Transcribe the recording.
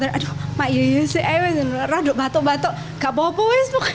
aduh mak yaya sih aduh rado batuk batuk gak apa apa wak kenapa sih